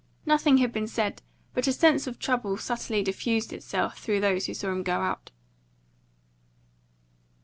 Nothing had been said, but a sense of trouble subtly diffused itself through those who saw him go out.